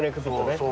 そう。